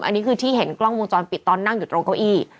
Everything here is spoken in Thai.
อันนี้คือที่เห็นกล้องวงจรปิดตอนนั่งอยู่ตรงเก้าอี้